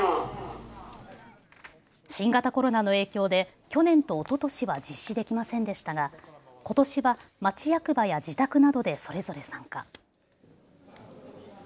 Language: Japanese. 新型コロナの影響で去年とおととしは実施できませんでしたがことしは町役場や自宅などでそれぞれ参加。